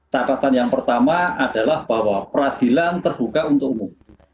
catatan yang pertama adalah bahwa peradilan terbuka untuk umum